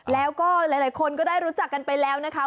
แล้วก็หลายคนก็ได้รู้จักกันไปแล้วนะคะ